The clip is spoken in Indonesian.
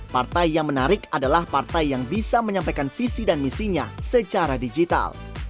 partai yang menarik adalah partai yang bisa menyampaikan visi dan misinya secara digital